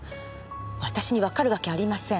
私にわかるわけがありません。